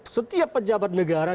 setiap pejabat negara